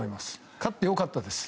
勝ってよかったです。